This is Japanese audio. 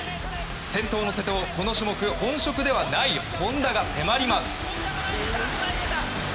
先頭の瀬戸を、この種目本職ではない本多が迫ります。